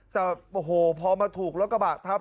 แต่โอ้โหพอมาถูกแล้วก็บากทัพ